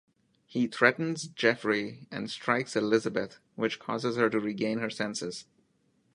He threatens Jeffrey and strikes Elizabeth, which causes her to regain her senses.